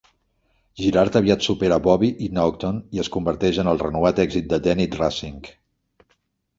Girard aviat supera Bobby i Naughton, i es converteix en el renovat èxit de Dennit Racing.